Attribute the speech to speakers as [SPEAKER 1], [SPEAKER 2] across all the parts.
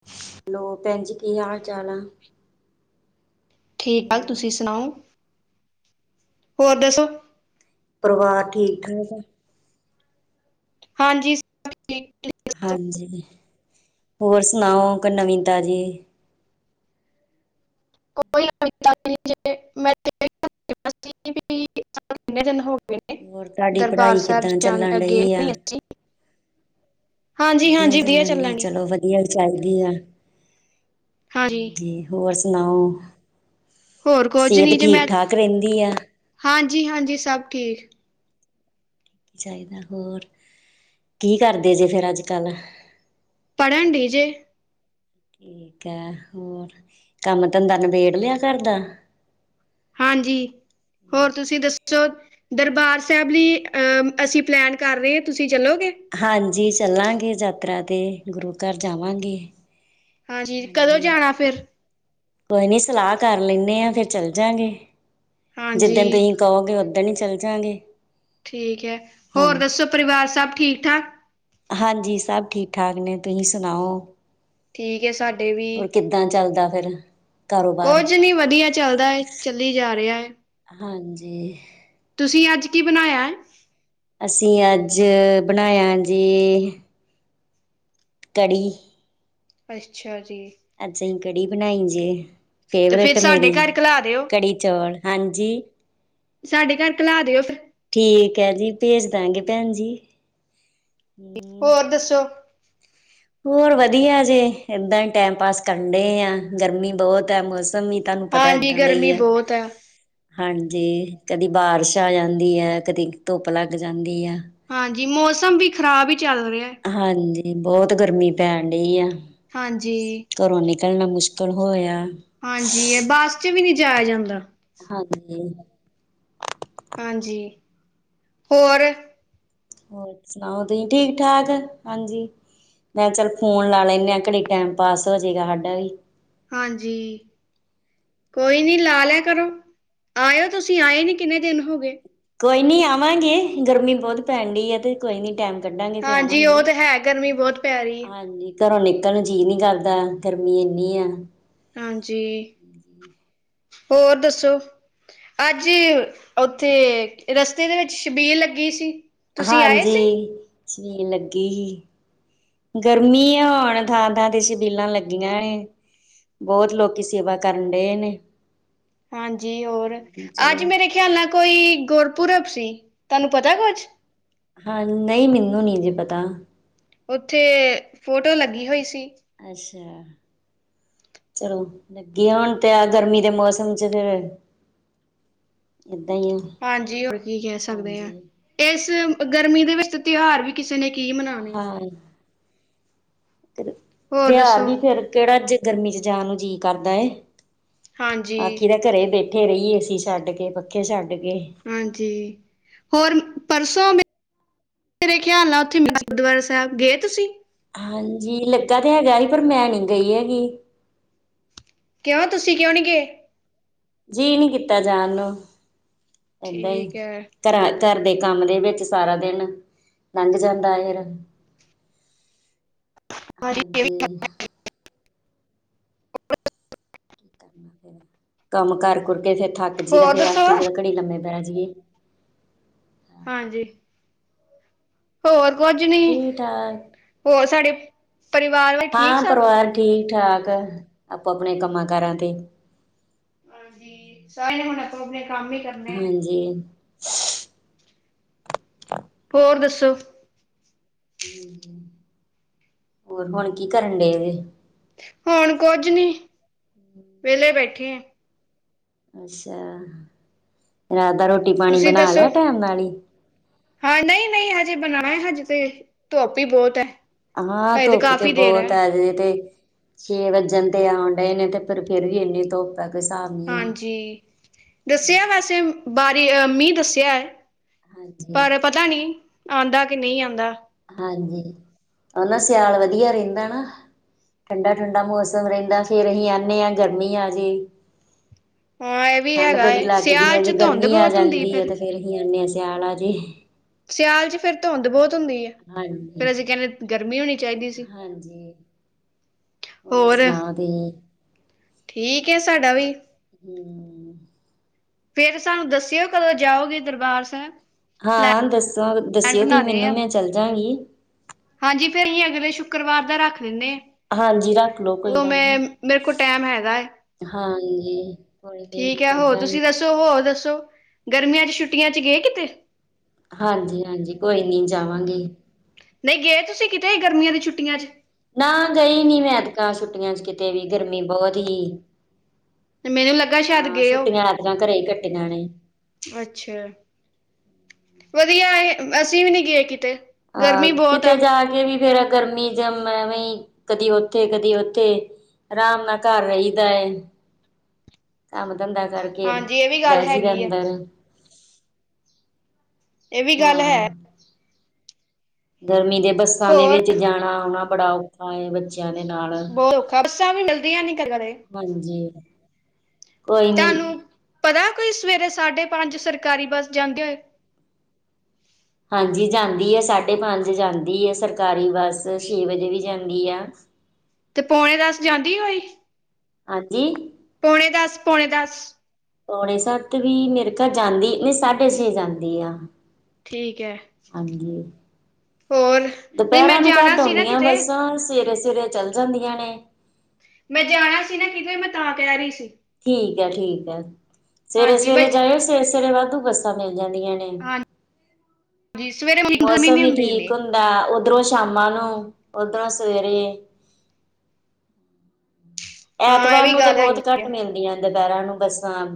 [SPEAKER 1] [inaudible]
[SPEAKER 2] Hello ਭੈਣਜੀ ਕੀ ਹਾਲ ਚਾਲ ਆ।
[SPEAKER 1] ਠੀਕ ਹੈ
[SPEAKER 2] ਹੋਰ
[SPEAKER 1] ਤੁਸੀਂ ਸੁਣਾਓ। ਹੋਰ ਦੱਸੋ।
[SPEAKER 2] ਪਰਿਵਾਰ ਠੀਕ ਠਾਕ ਆ।
[SPEAKER 1] ਹਾਂਜੀ ਸਬ ਠੀਕ ਹੈ।
[SPEAKER 2] ਹਾਂਜੀ ਹੋਰ ਸੁਣਾਓ ਕੋਈ ਨਵੀਂ ਤਾਜੀ।
[SPEAKER 1] ਕੋਈ [unintelligible] ਕਿੰਨੇ ਦਿਨ ਹੋ ਗਏ ਨੇ
[SPEAKER 2] ਹੋਰ ਤੁਹਾਡੀ
[SPEAKER 1] ਦਰਬਾਰ
[SPEAKER 2] ਪੜ੍ਹਾਈ
[SPEAKER 1] ਸਾਹਿਬ
[SPEAKER 2] ਕਿੱਦਾਂ ਚੱਲਣ
[SPEAKER 1] ਅੱਗੇ
[SPEAKER 2] ਡਈ ਆ
[SPEAKER 1] ਨਹੀਂ ਗਏ ਅਸੀਂ। ਹਾਂਜੀ-ਹਾਂਜੀ ਭਈਆਂ ਚੱਲਾਂਗੀ।
[SPEAKER 2] ਚਾਹੀਦੀਆਂ [unintelligible]
[SPEAKER 1] ਹਾਂਜੀ।
[SPEAKER 2] ਹੋਰ ਸੁਣਾਓ
[SPEAKER 1] ਹੋਰ
[SPEAKER 2] ਸਿਹਤ ਠੀਕ ਠਾਕ ਰਹਿੰਦੀ ਆ।
[SPEAKER 1] ਹਾਂਜੀ-ਹਾਂਜੀ ਸਭ ਠੀਕ।
[SPEAKER 2] ਚਾਹੀਦਾ ਹੋਰ ਕੀ ਕਰਦੇ ਜੇ ਫਿਰ ਅੱਜ ਕੱਲ।
[SPEAKER 1] ਪੜ੍ਹਨ ਡਹੇ ਜੇ।
[SPEAKER 2] ਠੀਕ ਹੈ ਹੋਰ ਕੰਮ ਧੰਦਾ ਨਿਬੇੜ ਲਿਆ ਘਰ ਦਾ।
[SPEAKER 1] ਹਾਂਜੀ ਹੋਰ ਤੁਸੀਂ ਦੱਸੋ। ਦਰਬਾਰ ਸਾਹਿਬ ਲਈ ਅਸੀਂ ਪਲੈਨ ਕਰ ਰਹੇ ਹਾਂ ਤੁਸੀਂ ਚੱਲੋਗੇ।
[SPEAKER 2] ਹਾਂਜੀ ਚੱਲਾਂਗੇ ਯਾਤਰਾ ਤੇ ਗੁਰੂ ਘਰ ਜਾਵਾਂਗੇ।
[SPEAKER 1] ਕਦੋਂ
[SPEAKER 2] ਹਾਂਜੀ।
[SPEAKER 1] ਜਾਣਾ ਫਿਰ
[SPEAKER 2] ਕੋਈ ਨੀ ਸਲਾਹ ਕਰ ਲੈਂਦੇ ਆਂ ਫਿਰ ਚੱਲ ਜਾਂਗੇ ਜਿੱਦਣ
[SPEAKER 1] ਹਾਂਜੀ
[SPEAKER 2] ਤੁਸੀਂ। ਕਹੋਗੇ ਉਦਣ ਹੀ ਚੱਲ ਜਾਂਗੇ।
[SPEAKER 1] ਠੀਕ ਹੈ
[SPEAKER 2] ਹਾਂ
[SPEAKER 1] ਹੋਰ ਦੱਸੋ ਪਰਿਵਾਰ ਸਭ ਠੀਕ ਠਾਕ।
[SPEAKER 2] ਹਾਂਜੀ ਸਭ ਠੀਕ ਠਾਕ ਨੇ ਤੁਸੀਂ ਸੁਣਾਓ
[SPEAKER 1] ਠੀਕ ਹੈ ਸਾਡੇ ਵੀ
[SPEAKER 2] ਹੋਰ ਕਿੱਦਾ। ਕਿੱਦਾਂ ਚੱਲਦਾ ਫਿਰ। ਕਾਰੋਬਾਰ
[SPEAKER 1] ਕੁਝ ਨਹੀਂ ਵਧੀਆ ਚੱਲਦਾ ਹੈ ਚੱਲੀ ਜਾ ਰਿਹਾ ਹੈ।
[SPEAKER 2] ਹਾਂਜੀ।
[SPEAKER 1] ਤੁਸੀਂ ਅੱਜ ਕੀ ਬਣਾਇਆ ਹੈ।
[SPEAKER 2] ਅਸੀਂ ਅੱਜ ਬਣਾਇਆ ਜੀ। ਕੜੀ।
[SPEAKER 1] ਅੱਛਾ ਜੀ।
[SPEAKER 2] ਅੱਜ ਅਸੀਂ ਕੜੀ ਬਣਾਈ ਜੇ।
[SPEAKER 1] ਤੇ ਫਿਰ
[SPEAKER 2] ਫੇਵਰੇਟ
[SPEAKER 1] ਸਾਡੇ
[SPEAKER 2] ਮੇਰੀ
[SPEAKER 1] ਘਰ ਕਲਾ ਦਿਓ
[SPEAKER 2] ਕੜੀ ਚੌਲ ਹਾਂਜੀ।
[SPEAKER 1] ਸਾਡੇ ਘਰ ਘਲਾ ਦਿਓ ਫਿਰ।
[SPEAKER 2] ਠੀਕ ਹੈ ਜੀ ਭੇਜ ਦਾਂਗੇ ਭੈਣਜੀ।
[SPEAKER 1] ਹੋਰ ਦੱਸੋ।
[SPEAKER 2] ਹੋਰ ਵਧੀਆ ਜੇ ਇਦਾਂ ਹੀ ਟਾਈਮ ਪਾਸ ਕਰਨ ਡੇ ਆ ਗਰਮੀ ਬਹੁਤ ਹੈ ਮੌਸਮ ਵੀ। ਤੁਹਾਨੂੰ ਪਤਾ
[SPEAKER 1] ਹਾਂਜੀ
[SPEAKER 2] ਇਦਾਂ ਦਾ ਹੀ
[SPEAKER 1] ਗਰਮੀ
[SPEAKER 2] ਹੈ।
[SPEAKER 1] ਬਹੁਤ
[SPEAKER 2] ਹਾਂਜੀ ਕਦੀ ਬਾਰਿਸ਼ ਆ ਜਾਂਦੀ ਹੈ ਕਦੀ ਧੁੱਪ ਲੱਗ ਜਾਂਦੀ ਹੈ।
[SPEAKER 1] ਹਾਂਜੀ ਮੌਸਮ ਵੀ ਖ਼ਰਾਬ ਹੀ ਚੱਲ ਰਿਹਾ।
[SPEAKER 2] ਹਾਂਜੀ ਬਹੁਤ ਗਰਮੀਂ ਪੈਣ ਡਈ ਆ।
[SPEAKER 1] ਹਾਂਜੀ।
[SPEAKER 2] ਘਰੋਂ ਨਿਕਲਣਾ ਮੁਸ਼ਕਿਲ ਹੋਇਆ।
[SPEAKER 1] ਹਾਂਜੀ ਬੱਸ ਚੱ ਵੀ ਨਹੀਂ ਜਾਇਆ ਜਾਂਦਾ।
[SPEAKER 2] ਹਾਂਜੀ।
[SPEAKER 1] ਹਾਂਜੀ ਹੋਰ।
[SPEAKER 2] ਹੋਰ ਸੁਣਾਓ ਤੁਸੀਂ ਠੀਕ ਠਾਕ ਹਾਂਜੀ। ਮੈਂ ਕਿਹਾ ਚੱਲ ਫੋਨ ਲਾ ਲੈਂਦੇ ਆ ਘੜੀ ਟਾਈਮ ਪਾਸ ਹੋ ਜਾਏਗਾ ਸਾਡਾ ਵੀ।
[SPEAKER 1] ਹਾਂਜੀ। ਕੋਈ ਨੀ ਲਾ ਲਿਆ ਕਰੋ ਆਇਓ ਤੁਸੀਂ ਆਏ ਨੀ ਕਿੰਨੇ ਦਿਨ ਹੋ ਗਏ।
[SPEAKER 2] ਕੋਈ ਨੀ ਆਵਾਂਗੇ ਗਰਮੀ ਬਹੁਤ ਪੈਣ ਡਈ ਆ ਤੇ ਕੋਈ ਨੀ ਟੈਮ।
[SPEAKER 1] ਹਾਂਜੀ ਉਹ ਤੇ ਹੈ ਗਰਮੀ ਬਹੁਤ ਪੈ ਰਹੀ ਏ।
[SPEAKER 2] ਹਾਂਜੀ ਘਰੋਂ ਨਿਕਲਣ ਨੂੰ ਜੀਅ ਨੀ ਕਰਦਾ ਗਰਮੀ ਐਨੀ ਆ।
[SPEAKER 1] ਹਾਂਜੀ ਹੋਰ ਦੱਸੋ। ਅੱਜ ਉੱਥੇ ਰਸਤੇ ਦੇ ਵਿੱਚ ਛਬੀਲ ਲੱਗੀ ਸੀ। ਤੁਸੀਂ ਆਏ ਸੀ
[SPEAKER 2] ਹਾਂਜੀ ਛਬੀਲ ਲੱਗੀ ਸੀ। ਗਰਮੀ ਆ ਹੁਣ ਥਾਂ-ਥਾਂ ਤੇ ਛਬੀਲਾਂ ਲੱਗੀਆਂ ਨੇ। ਬਹੁਤ ਲੋਕੀ ਸੇਵਾ ਕਰਨ ਡਹੇ ਨੇ।
[SPEAKER 1] ਹਾਂਜੀ ਹੋਰ
[SPEAKER 2] ਚਲੋ
[SPEAKER 1] ਅੱਜ ਮੇਰੇ ਖਿਆਲ ਨਾਲ ਕੋਈ ਗੁਰਪੁਰਬ ਸੀ ਤੁਹਾਨੂੰ ਪਤਾ ਕੁਛ।
[SPEAKER 2] ਹਾਂ ਨਹੀਂ ਮੈਨੂੰ ਨੀ ਜੇ ਪਤਾ।
[SPEAKER 1] ਉੱਥੇ ਫੋਟੋ ਲੱਗੀ ਹੋਈ ਸੀ।
[SPEAKER 2] ਅੱਛਿਆ। ਚਲੋ ਵਧਿਆ ਹੋਣ ਤੇ ਆ ਗਰਮੀ ਦੇ ਮੌਸਮ ਚ ਫੇਰ। ਇੱਦਾਂ ਹੀ ਆ।
[SPEAKER 1] ਹਾਂਜੀ ਹੋਰ ਕੀ ਕਹਿ ਸਕਦੇ ਆ
[SPEAKER 2] ਹਾਂਜੀ
[SPEAKER 1] ਇਸ ਗਰਮੀ ਦੇ ਵਿੱਚ। ਤੇਹਾਰ ਵੀ ਕਿਸੇ ਨੇ ਕੀ ਮਨਾਣੇ।
[SPEAKER 2] ਤੇ
[SPEAKER 1] ਹੋਰ
[SPEAKER 2] ਤੇਹਾਰ
[SPEAKER 1] ਦੱਸੋ
[SPEAKER 2] ਵੀ ਫਿਰ ਕੇੜਾ ਜੇ ਗਰਮੀ ਚ ਜਾਣ ਨੂੰ ਜੀਅ ਕਰਦਾ ਏ।
[SPEAKER 1] ਹਾਂਜੀ
[SPEAKER 2] ਆਖੀ ਦਾ ਘਰੇ ਈ ਬੈਠੇ ਰਈਏ ਏ ਸੀ ਛੱਡ ਕੇ, ਪੱਖੇ ਛੱਡ ਕੇ।
[SPEAKER 1] ਹਾਂਜੀ, ਹੋਰ ਪਰਸੋਂ ਮੈ ਮੇਰੇ ਖਿਆਲ ਨਾ ਓੱਥੇ ਗੁਰਦੁਆਰਾ ਸਾਏਬ ਗਏ ਤੁਸੀਂ?
[SPEAKER 2] ਹਾਂਜੀ, ਲੱਗਾ ਤੇ ਹੈਗਾ ਸੀ ਪਰ ਮੈਂ ਨੀ ਗਈ ਹੈਗੀ।
[SPEAKER 1] ਕਿਓ ਤੁਸੀ ਕਿਓ ਨੀ ਗਏ।
[SPEAKER 2] ਜੀਅ ਨੀ ਕੀਤਾ ਜਾਣ ਨੂੰ, ਏਦਾ ਈ।
[SPEAKER 1] ਠੀਕ ਹੈ
[SPEAKER 2] ਘਰਾ ਘਰ ਦੇ ਕੰਮ ਦੇ ਵਿੱਚ ਸਾਰਾ ਦਿਨ ਲੰਘ ਜਾਂਦਾ ਫੇਰ। ਹਾਂਜੀ। ਕੰਮ ਕਾਰ ਕੁਰ ਕੇ ਫੇਰ ਥੱਕ ਜਾਈਦਾ
[SPEAKER 1] ਹੋਰ
[SPEAKER 2] ਫੇਰ
[SPEAKER 1] ਦੱਸੋ
[SPEAKER 2] ਆਖੀਦਾ ਘੜੀ ਲੰਮੇ ਪੈਜੀਏ।
[SPEAKER 1] ਹਾਂਜੀ। ਹੋਰ ਕੋਝ ਨੀ,
[SPEAKER 2] ਠੀਕ ਠਾਕ
[SPEAKER 1] ਹੋਰ ਸਾਡੇ ਪਰਿਵਾਰ ਵਾਲੇ ਠੀਕ
[SPEAKER 2] ਹਾਂ
[SPEAKER 1] ਸਭ
[SPEAKER 2] ਪਰਿਵਾਰ ਠੀਕ-ਠਾਕ, ਆਪੋ-ਆਪਣੇ ਕੰਮਾਂ-ਕਾਰਾਂ ਤੇ।
[SPEAKER 1] ਹਾਂਜੀ, ਸਾਰੇਆਂ ਨੇ ਹੁਣ ਆਪੋ-ਆਪਣੇ ਕੰਮ ਈ ਕਰ
[SPEAKER 2] ਹਾਂਜੀ।
[SPEAKER 1] ਹੋਰ ਦੱਸੋ?
[SPEAKER 2] ਹੂੰ, ਹੋਰ ਹੁਣ ਕੀ ਕਰਨ ਡਏ ਜੇ?
[SPEAKER 1] ਹੁਣ ਕੋਝ ਨੀ, ਵੇਲੇ ਬੈਠੇ ਆ।
[SPEAKER 2] ਅੱਛਾ, ਰਾਤ ਦਾ ਰੋਟੀ ਪਾਣੀ
[SPEAKER 1] ਤੁਸੀਂ
[SPEAKER 2] ਬਣਾ
[SPEAKER 1] ਦੱਸੋ?
[SPEAKER 2] ਲਿਆ ਟੈਮ ਨਾਲ ਹੀ
[SPEAKER 1] ਹਾਂ ਨਈ- ਨਈ ਹਜੇ ਬਣਾਨਾ ਐ ਹਜੇ ਤੇ ਧੋਪ ਈ ਬੋਤ ਐ।
[SPEAKER 2] ਹਾਂ, ਧੋਪ ਤੇ ਬੋਤ ਐ ਹਜੇ ਤੇ ਛੇ ਵੱਜਣ ਤੇ ਆਣ ਡਏ ਨੇ ਤੇ ਫੇਰ ਵੀ ਐਨੀ ਧੋਪ- ਪਾਕਿਸਤਾਨ
[SPEAKER 1] ਹਾਂਜੀ, ਦੱਸੇਆ ਵੈਸੇ ਬਾਰਿ ਅ ਮੀਂਹ ਦੱਸੇਆ ਐ।
[SPEAKER 2] ਹਾਂਜੀ।
[SPEAKER 1] ਪਤਾ ਨੀ, ਆਂਦਾ ਕੇ ਨਈ ਆਂਦਾ।
[SPEAKER 2] ਹਾਂਜੀ, ਓ ਨਾ ਸਿਆਲ ਵੱਧੀਆ ਰੇਂਦਾ ਨਾ? ਠੰਡਾ-ਠੰਡਾ ਮੌਸਮ ਰੇਂਦਾ ਫੇਰ ਅਸੀਂ ਆਨੇ ਆ ਗਰਮੀ ਆ ਜੇ
[SPEAKER 1] ਹਾਂ ਇਹ ਵੀ
[SPEAKER 2] ਠੰਢ
[SPEAKER 1] ਹੈਗਾ
[SPEAKER 2] ਬੜੀ
[SPEAKER 1] ਏ
[SPEAKER 2] ਲੱਗਦੀ
[SPEAKER 1] ਸਿਆਲ
[SPEAKER 2] ਐ, ਜੇ
[SPEAKER 1] ਚ ਧੁੰਦ
[SPEAKER 2] ਗਰਮੀ ਆ
[SPEAKER 1] ਬਹੁਤ ਹੁੰਦੀ
[SPEAKER 2] ਜਾਂਦੀ ਏ
[SPEAKER 1] ਫਿਰ
[SPEAKER 2] ਤੇ ਫੇਰ ਅਸੀਂ ਆਨੇ ਆ ਸਿਆਲਾ ਆ ਜੇ।
[SPEAKER 1] ਸਿਆਲ ਚ ਫੇਰ ਧੌਂਦ ਬੋਤ ਹੁੰਦੀ ਏ।
[SPEAKER 2] ਹਾਂਜੀ।
[SPEAKER 1] ਫਿਰ ਅਸੀਂ ਕਹਿੰਦੇ ਗਰਮੀ ਹੋਣੀ ਚਾਈਦੀ ਸੀ,
[SPEAKER 2] ਹਾਂਜੀ
[SPEAKER 1] ਹੋਰ?
[SPEAKER 2] ਸੁਣਾਓ ਤੁਸੀਂ
[SPEAKER 1] ਠੀਕ ਐ ਸਾਡਾ ਵੀ
[SPEAKER 2] ਹੂੰ
[SPEAKER 1] ਫੇਰ ਸਾਨੂੰ ਦੱਸੇਓ ਕਦੋਂ ਜਾਓਗੇ ਦਰਬਾਰ ਸਾਹਿਬ?
[SPEAKER 2] ਹਾਂ
[SPEAKER 1] ਪਲੈਨ
[SPEAKER 2] ਦੱਸੋ ਦੱਸਿਓ ਤੁਸੀ
[SPEAKER 1] ਬਣਾਣੇ
[SPEAKER 2] ਮੈਨੂੰ
[SPEAKER 1] ਆ
[SPEAKER 2] ਮੈਂ ਚੱਲ ਜਾਗੀ
[SPEAKER 1] ਹਾਂਜੀ ਫੇਰ ਅਸੀਂ ਅਗਲੇ ਸ਼ੁੱਕਰਵਾਰ ਦਾ ਰੱਖ ਲੇਂਨੇ
[SPEAKER 2] ਹਾਂਜੀ ਰੱਖ ਲਓ
[SPEAKER 1] ਆ।
[SPEAKER 2] ਕੋਈ
[SPEAKER 1] ਓ
[SPEAKER 2] ਗੱਲ
[SPEAKER 1] ਮੈਂ,
[SPEAKER 2] ਨਹੀਂ
[SPEAKER 1] ਮੇਰੇ ਕੋਲ ਟੈਮ ਹੈਗਾ ਆ।
[SPEAKER 2] ਹਾਂਜੀ। ਕੋਈ ਨੀ
[SPEAKER 1] ਠੀਕ ਐ ਹੋਰ
[SPEAKER 2] ਚੱਲਾਂਗੇ
[SPEAKER 1] ਤੁਸੀਂ ਦੱਸੋ ਹੋਰ ਦੱਸੋ, ਗਰਮੀਆਂ ਚ ਛੁੱਟੀਆਂ ਚ ਗਏ ਕਿਤੇ
[SPEAKER 2] ਹਾਂਜੀ, ਹਾਂਜੀ ਕੋਈ ਨੀ ਜਾਵਾਂਗੀ।
[SPEAKER 1] ਨਈ ਗਏ ਤੁਸੀਂ ਕਿਤੇ ਗਰਮੀਆਂ ਦੀ ਛੁੱਟੀਆਂ ਚ
[SPEAKER 2] ਨਾ ਗਈ ਨੀ ਮੈਂ ਐਤਕਾਂ ਛੁੱਟੀਆਂ ਚ ਕਿਤੇ ਵੀ ਗਰਮੀ ਬੋਤ ਸੀ।
[SPEAKER 1] ਮੈਨੂੰ ਲੱਗਾ ਸ਼ਾਇਦ
[SPEAKER 2] ਹਾਂ
[SPEAKER 1] ਗਏ ਹੋਗੇ
[SPEAKER 2] ਛੁੱਟੀਆਂ ਐਰਕਾਂ ਘਰੇ ਈ ਕੱਟੀਆਂ ਨੇ।
[SPEAKER 1] ਅੱਛਾ ਵਧੀਆ ਏ ਅਸੀਂ ਵੀ ਨਈ ਗਏ ਕਿਤੇ ਗਰਮੀ
[SPEAKER 2] ਅ
[SPEAKER 1] ਬਹੁਤ ਆ
[SPEAKER 2] ਕਿਤੇ ਜਾ ਵੀ ਫਿਰ ਗਰਮੀ ਜਮ ਐਵੀਂ ਕਦੀ ਉੱਥੇ ਕਦੀ ਉੱਥੇ ਰਾਮ ਨਾਲ ਘਰ ਰਈਦਾ ਏ। ਕੰਮ ਧੰਦਾ ਕਰਕੇ
[SPEAKER 1] ਹਾਂਜੀ ਇਹ ਵੀ ਗੱਲ
[SPEAKER 2] ਬੈ ਜੀ ਦਾ
[SPEAKER 1] ਹੈਗੀ ਆ
[SPEAKER 2] ਅੰਦਰ
[SPEAKER 1] ਏ ਵੀ ਗੱਲ
[SPEAKER 2] ਹਾਂ
[SPEAKER 1] ਹੈ।
[SPEAKER 2] ਗਰਮੀ ਦੇ ਬੱਸਾਂ ਦੇ
[SPEAKER 1] ਹੋਰ
[SPEAKER 2] ਵਿੱਚ ਜਾਣਾ ਆਉਣਾ ਬੜਾ ਔਖਾ ਏ ਬੱਚਿਆਂ ਦੇ ਨਾਲ
[SPEAKER 1] ਬਹੁਤ ਔਖਾ ਬੱਸਾਂ ਵੀ ਮਿਲਦੀਆਂ ਨੀ ਕਿਦਰੇ
[SPEAKER 2] ਹਾਂਜੀ ਕੋਈ ਨੀ
[SPEAKER 1] ਤਾਨੂੰ ਪਤਾ ਕੋਈ ਸਵੇਰੇ ਸਾਢੇ ਪੰਜ ਸਰਕਾਰੀ ਬੱਸ ਜਾਂਦੀ ਹੋਏ।
[SPEAKER 2] ਹਾਂਜੀ ਜਾਂਦੀ ਏ ਸਾਢੇ ਪੰਜ ਜਾਂਦੀ ਐ ਸਰਕਾਰੀ ਬੱਸ ਛੇ ਵਜੇ ਵੀ ਜਾਂਦੀ ਆ।
[SPEAKER 1] ਤੇ ਪੌਣੇ ਦਸ ਜਾਂਦੀ ਹੋਈ
[SPEAKER 2] ਹਾਂਜੀ
[SPEAKER 1] ਪੋਣੇ ਦਸ-ਪੋਣੇ ਦਸ
[SPEAKER 2] ਪੌਣੇ ਸੱਤ ਵੀ ਮੇਰੇ ਕਾਰ ਜਾਂਦੀ ਨਈ ਸਾਢੇ ਛੇ ਜਾਂਦੀ ਆ।
[SPEAKER 1] ਠੀਕ ਐ। ਮੈਂ
[SPEAKER 2] ਦੁਪੈਰਾਂ ਨੂੰ
[SPEAKER 1] ਜਾਣਾ
[SPEAKER 2] ਘੱਟ
[SPEAKER 1] ਸੀ ਨਾ
[SPEAKER 2] ਆਉਂਦੀਆਂ
[SPEAKER 1] ਕਿਤੇ
[SPEAKER 2] ਬੱਸਾਂ ਸਵੇਰੇ-ਸਵੇਰੇ ਚੱਲ ਜਾਂਦੀਆਂ ਨੇ।
[SPEAKER 1] ਮੈਂ ਜਾਣਾ ਸੀ ਨਾ ਕਿਤੇ ਮੈਂ ਤਾਂ ਕੈ ਰਈ ਸੀ।
[SPEAKER 2] ਠੀਕ ਐ-ਠੀਕ ਐ
[SPEAKER 1] ਹਾਂਜੀ ਮੈਂ
[SPEAKER 2] ਸਵੇਰੇ-ਸਵੇਰੇ ਜਾਇਓ ਸਵੇਰੇ-ਸਵੇਰੇ ਵਾਧੂ ਬੱਸਾਂ ਮਿਲ ਜਾਂਦੀਆਂ ਨੇ।
[SPEAKER 1] ਹਾਂਜੀ ਸਵੇਰੇ ਗਰਮੀ
[SPEAKER 2] ਮੌਸਮ
[SPEAKER 1] ਨੀ
[SPEAKER 2] ਵੀ
[SPEAKER 1] ਹੁੰਦੀ
[SPEAKER 2] ਠੀਕ
[SPEAKER 1] ਇੰਨੀ
[SPEAKER 2] ਹੁੰ ਦਾ ਓਧਰੋਂ ਸ਼ਾਮਾਂ ਨੂੰ ਓਧਰੋਂ ਸਵੇਰੇ
[SPEAKER 1] ਹਾਂ ਇਹ
[SPEAKER 2] ਐਤਵਾਰ
[SPEAKER 1] ਵੀ
[SPEAKER 2] ਨੂੰ ਤੇ
[SPEAKER 1] ਗੱਲ ਹੈਗੀ
[SPEAKER 2] ਬੋਤ ਘੱਟ ਮਿਲਦੀਆਂ ਦੁਪੈਰਾਂ ਨੂੰ ਬੱਸਾਂ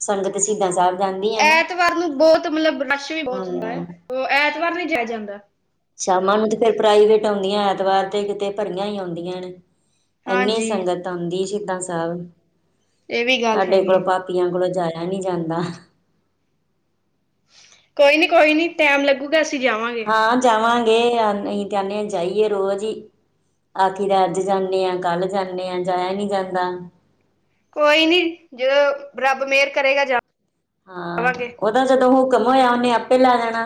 [SPEAKER 2] ਸੰਗਤ ਸ਼ਹੀਦਾਂ ਸਾਹਿਬ। ਜਾਂਦੀ ਆ ਨਾ
[SPEAKER 1] ਐਤਵਾਰ ਨੂੰ ਬੋਤ ਮਤਲਬ ਰਸ਼ ਵੀ ਬੋਤ ਹੁੰਦਾ ਏ
[SPEAKER 2] ਹਾਂ
[SPEAKER 1] ਓ ਐਤਵਾਰ ਨਈ ਜਾਇਆ ਜਾਂਦਾ।
[SPEAKER 2] ਸਾ਼ਮਾਂ ਨੂੰ ਤੇ ਫਿਰ ਪ੍ਰਾਈਵੇਟ ਆਉਂਦੀਆਂ ਐਤਵਾਰ ਤੇ ਕਿਤੇ ਭਰੀਆਂ ਹੀ ਆਉਂਦੀਆਂ ਨੇ। ਇੰਨੀ
[SPEAKER 1] ਹਾਂਜੀ
[SPEAKER 2] ਸੰਗਤ ਆਉਂਦੀ ਸਹੀਦਾਂ ਸਾਹਿਬ
[SPEAKER 1] ਇਹ ਵੀ ਗੱਲ
[SPEAKER 2] ਸਾਡੇ
[SPEAKER 1] ਹੈਗੀ
[SPEAKER 2] ਕੋਲੋਂ
[SPEAKER 1] ਹੈ
[SPEAKER 2] ਪਾ ਪੀਆਂ ਕੋਲੋਂ ਜਾਇਆ ਨੀ ਜਾਂਦਾ।
[SPEAKER 1] ਕੋਈ ਨੀ-ਕੋਈ ਨੀ ਟੈਮ ਲੱਗੂਗਾ ਅਸੀ ਜਾਵਾਂਗੇ।
[SPEAKER 2] ਹਾਂ ਜਾਵਾਂਗੇ ਅਹੀ ਤੇ ਕੈਣੇ ਜਾਈਏ ਰੋਜ਼ ਈ ਆਖੀ ਤੇ ਅੱਜ ਜਾਂਣੇ ਆਂ ਕੱਲ ਜਾਂਣੇ ਆਂ ਜਾਇਆ ਨਈ ਜਾਂਦਾ।
[SPEAKER 1] ਕੋਈ ਨੀ ਜਦੋਂ ਰੱਬ ਮੇਹਰ ਕਰੇਗਾ ਜਾ
[SPEAKER 2] ਹਾਂ ਉਦਾ ਜਦੋਂ ਹੁਕਮ ਹੋਇਆ ਉਨੇ ਆਪੇ ਲੈ ਜਾਣਾ।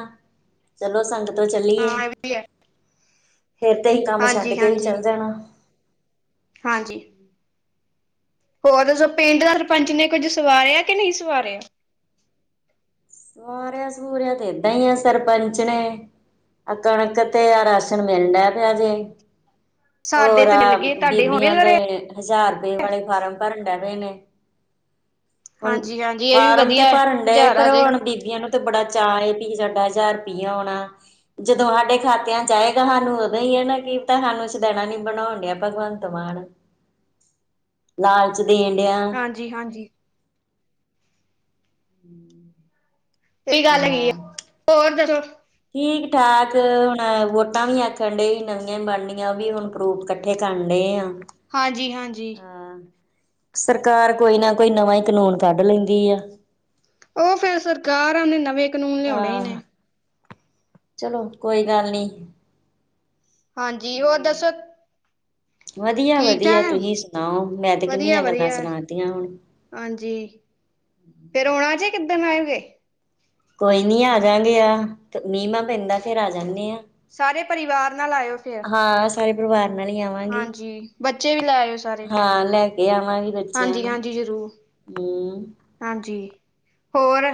[SPEAKER 2] ਚਲੋ ਸੰਗਤੋਂ ਚੱਲੀਏ
[SPEAKER 1] ਹਾਂ ਇਹ ਵੀ ਹੈ
[SPEAKER 2] ਫਿਰ ਤੇ ਅਸੀ ਕੰਮ ਛੱਡ
[SPEAKER 1] ਹਾਂਜੀ
[SPEAKER 2] ਕੇ ਵੀ
[SPEAKER 1] ਹਾਂਜੀ
[SPEAKER 2] ਚੱਲ ਜਣਾ।
[SPEAKER 1] ਹਾਂਜੀ ਹੋਰ ਦੱਸੋ ਪਿੰਡ ਦਾ ਰਪੰਚ ਨੇ ਕੁੱਝ ਸਵਾਰਿਆ ਕਿ ਨਈ ਸਵਾਰਿਆ
[SPEAKER 2] ਸਵਾਰਿਆਂ ਸੂਰਿਆਂ ਤੇ ਏਦਾਂ ਈ ਆ ਸਰਪੰਚ ਨੇ। ਆ ਕਣਕ ਤੇ ਆ ਰਾਸ਼ਨ ਮਿਲ ਡਏ ਪਿਆ ਜੇ।
[SPEAKER 1] ਸਾਡੇ
[SPEAKER 2] ਹੋਰ
[SPEAKER 1] ਤੇ ਮਿਲ
[SPEAKER 2] ਆ
[SPEAKER 1] ਗਏ ਤੁਹਾਡੇ ਹੁਣ
[SPEAKER 2] ਬੀਬੀਆਂ
[SPEAKER 1] ਮਿਲ
[SPEAKER 2] ਦੇ
[SPEAKER 1] ਰਹੇ
[SPEAKER 2] ਹਜ਼ਾਰ ਰੁਪਏ ਵਾਲੇ ਫਾਰਮ ਭਰਨ ਡੈਂ ਪਏ ਨੇ। ਹੁਣ
[SPEAKER 1] ਹਾਂਜੀ ਹਾਂਜੀ ਇਹ ਵੀ
[SPEAKER 2] ਫਾਰਮ ਤੇ
[SPEAKER 1] ਵਧੀਆ ਹੈ
[SPEAKER 2] ਭਰਨ ਡਏ
[SPEAKER 1] ਹਜ਼ਾਰ
[SPEAKER 2] ਪਰ
[SPEAKER 1] ਆ ਜਾਏਗਾ
[SPEAKER 2] ਹੁਣ ਬੀ ਬੀਬੀਆਂ ਨੂੰ ਤੇ ਬੜਾ ਚਾਅ ਵੀ ਸਾਡਾ ਹਜ਼ਾਰ ਰੁਪਈਆ ਆਉਣਾ। ਜਦੋਂ ਹਾਡੇ ਖਾਤਿਆਂ 'ਚ ਆਏਗਾ ਹਾਨੂੰ ਉਦੋਂ ਈ ਏ ਨਾ ਕੀ ਪਤਾ ਹਾਨੂੰ ਦੇਣਾ ਨੀ ਬਣਾਉਣ ਡਿਆ ਭਗਵੰਤ ਮਾਨ ਲਾਲਚ ਦੇਣ ਡਿਆਂ।
[SPEAKER 1] ਜੀ-ਹਾਂਜੀ
[SPEAKER 2] [inaudible]
[SPEAKER 1] ਸਈ ਗੱਲ ਹੈਗੀ ਏ ਹੋਰ ਦੱਸੋ।
[SPEAKER 2] ਠੀਕ-ਠਾਕ, ਹੁਨ ਵੋਟਾਂ ਵੀ ਆਖਨ ਡੇ ਨਵੀਆਂ ਈ ਬਣਨੀਆਂ ਵੀ ਹੁਨ। ਪਰੂਫ਼ ਕੱਠੇ ਕਰਨ ਡਏ ਆ
[SPEAKER 1] ਹਾਂਜੀ-ਹਾਂਜੀ।
[SPEAKER 2] ਹਾਂ ਸਰਕਾਰ ਕੋਈ ਨਾ ਕੋਈ ਨਵਾਂ ਈ ਕਾਨੂੰਨ ਕੱਢ ਲੈਂਦੀ ਆ।
[SPEAKER 1] ਓਹ ਫੇਰ ਸਰਕਾਰਾਂ ਨੇ ਨਵੇਂ ਕਾਨੂੰਨ ਲਿਆਉਣੇ ਈ
[SPEAKER 2] ਹਾਂ
[SPEAKER 1] ਨੇ।
[SPEAKER 2] ਚਲੋ, ਕੋਈ ਗੱਲ ਨੀ।
[SPEAKER 1] ਹਾਂਜੀ, ਹੋਰ ਦੱਸੋ ਠੀਕ
[SPEAKER 2] ਵਦੀਆ-ਵਦੀਆ,
[SPEAKER 1] ਠਾਕ
[SPEAKER 2] ਤੁਸੀਂ ਸੁਨਾਓ, ਮੈਂ ਤੇ ਕਿੰਨੀਆਂ ਗੱਲਾਂ ਸੁਨਾਤੀਆਂ ਹੁਨ।
[SPEAKER 1] ਆਂਜੀ, ਫਿਰ ਆਉਣਾ ਜੇ, ਕਿੱਦਨ ਆਓਗੇ?
[SPEAKER 2] ਕੋਈ ਨੀ ਆ ਜਾਂਗੇ ਆ, ਮੀਂਅ ਨਾ ਪੈਂਦਾ ਫੇਰ ਆ ਜਾਂਨੇ ਆ।
[SPEAKER 1] ਸਾਰੇ ਪਰਿਵਾਰ ਨਾਲ ਆਇਓ ਫਿਰ
[SPEAKER 2] ਹਾਂ, ਸਾਰੇ ਪਰਿਵਾਰ ਨਾਲ ਈ ਆਵਾਂਗੀ।
[SPEAKER 1] ਹਾਂਜੀ ਬੱਚੇ ਵੀ ਲੈ ਆਇਓ ਸਾਰੇ
[SPEAKER 2] ਹਾਂ, ਲੈ ਕੇ ਆਵਾਂਗੀ ਬੱਚਿਆਂ
[SPEAKER 1] ਹਾਂਜੀ
[SPEAKER 2] ਨੂੰ,
[SPEAKER 1] ਹਾਂਜੀ ਜ਼ਰੂਰ
[SPEAKER 2] ਹੂੰ।
[SPEAKER 1] ਹਾਂਜੀ, ਹੋਰ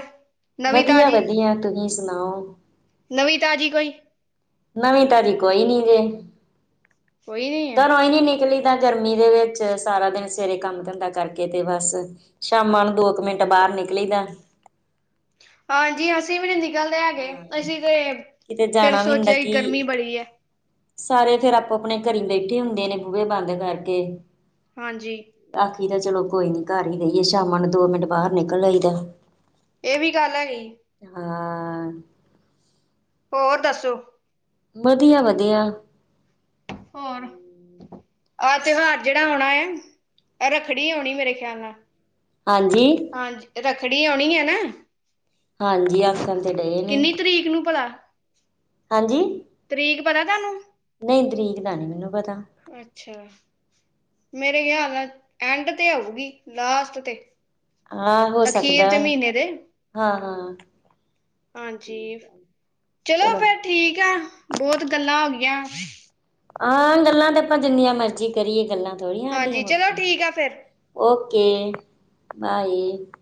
[SPEAKER 1] ਨਵੀਂ
[SPEAKER 2] ਵਦੀਆ-ਵਦੀਆ। ਤੁਸੀਂ ਸੁਨਾਓ?
[SPEAKER 1] ਨਵੀਂ-ਤਾਜ਼ੀ ਕੋਈ?
[SPEAKER 2] ਨਵੀਂ-ਤਾਜ਼ੀ ਕੋਈ ਨੀ ਜੇ।
[SPEAKER 1] ਕੋਈ ਨੀ।
[SPEAKER 2] ਘਰੋਂ ਈ ਨੀ ਨਿਕਲੀ ਦਾ ਗਰਮੀ ਦੇ ਵਿੱਚ ਸਾਰਾ ਦਿਨ, ਸਵੇਰੇ ਕੰਮ-ਧੰਦਾ ਕਰਕੇ 'ਤੇ ਬਸ। ਸ਼ਾਮਾਂ ਨੂੰ ਦੋ ਕੁ ਮਿੰਟ ਬਾਰ ਨਿਕਲੀ ਦੈ।
[SPEAKER 1] ਹਾਂਜੀ, ਅਸੀਂ ਵੀ ਨਈ ਨਿਕਲਦੇ ਹੈਗੇ,
[SPEAKER 2] ਹਾਂ
[SPEAKER 1] ਅਸੀਂ 'ਤੇ,
[SPEAKER 2] ਕਿਤੇ
[SPEAKER 1] ਫੇਰ
[SPEAKER 2] ਜਾਣਾ ਵੀ ਹੁੰਦਾ
[SPEAKER 1] ਸੋਚਿਆ ਕਿ ਗਰਮੀ ਬੜੀ ਐ।
[SPEAKER 2] ਸਾਰੇ ਫੇਰ ਆਪੋ-ਅਪਨੇ ਘਰੀ ਬੈਠੇ ਹੁੰਦੇ ਨੇ ਬੂਹੇ ਬੰਦ ਕਰਕੇ।
[SPEAKER 1] ਹਾਂਜੀ।
[SPEAKER 2] ਆਖੀ ਦਾ ਚਲੋ ਕੋਈ ਨੀ ਘਰ ਈ ਰਈਏ, ਸ਼ਾਮਾਂ ਨੂੰ ਦੋ ਮਿੰਟ ਬਾਰ ਨਿਕਲ ਆਈ ਦਾ।
[SPEAKER 1] ਏਹ ਵੀ ਗੱਲ ਹੈਗੀ।
[SPEAKER 2] ਹਾਂ।
[SPEAKER 1] ਹੋਰ ਦੱਸੋ?
[SPEAKER 2] ਵਦੀਆ-ਵਧੀਆ।
[SPEAKER 1] ਹੋਰ, ਆਹ ਤੇਉਹਾਰ ਜੇੜਾ ਔਣਾ ਏ, ਐਹ ਰੱਖੜੀ ਔਣੀ ਮੇਰੇ ਖਿਆਲ ਨਾਲ।
[SPEAKER 2] ਹਾਂਜੀ।
[SPEAKER 1] ਹਾਂਜੀ, ਰੱਖੜੀ ਔਣੀ ਏ ਨਾ।
[SPEAKER 2] ਹਾਂਜੀ ਆਖਣ ਤੇ ਡਏ ਨੇ
[SPEAKER 1] ਕਿੰਨੀ ਤਰੀਕ ਨੂੰ ਭਲਾ?
[SPEAKER 2] ਹਾਂਜੀ।
[SPEAKER 1] ਤਰੀਕ ਪਤਾ ਤੁਆਨੂੰ
[SPEAKER 2] ਨਈ, ਤਰੀਕ ਦਾ ਨੀ ਮੈਨੂੰ ਪਤਾ।
[SPEAKER 1] ਅੱਛਾ। ਮੇਰੇ ਖਿਆਲ ਨਾਲ ਐਂਡ 'ਤੇ ਆਊਗੀ, ਲਾਸਟ 'ਤੇ।
[SPEAKER 2] ਹਾਂ ਹੋ
[SPEAKER 1] ਅਖੀਰ
[SPEAKER 2] ਸਕਦੈ,
[SPEAKER 1] ਤੇ ਮਹੀਨੇ ਦੇ
[SPEAKER 2] ਹਾਂ-ਹਾਂ।
[SPEAKER 1] ਹਾਂਜੀ, ਚਲੋ ਫੇਰ ਠੀਕ ਐ। ਬੋਤ ਗੱਲਾਂ ਹੋ ਗੀਆ।
[SPEAKER 2] ਆਂ, ਗੱਲਾਂ 'ਤੇ ਆਪਾਂ ਜਿੰਨੀਆਂ ਮਰਜ਼ੀ ਕਰੀਏ, ਗੱਲਾਂ ਥੋੜੀਆਂ ਹਾਡੀਆਂ
[SPEAKER 1] ਹਾਂਜੀ ਚਲੋ
[SPEAKER 2] ਮੁਕਦੀਆ।
[SPEAKER 1] ਠੀਕ ਆ ਫਿਰ
[SPEAKER 2] ਓਕੇ, ਬਾਏ।